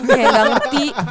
kayak gak ngerti